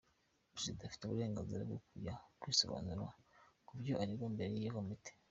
Perezida afite uburenganzira bwo kujya kwisobanura kubyo aregwa imbere y’iyo komite.